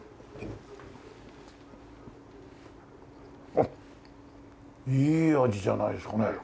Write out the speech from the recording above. あっいい味じゃないですかね。